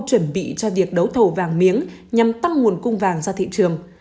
chuẩn bị cho việc đấu thầu vàng miếng nhằm tăng nguồn cung vàng ra thị trường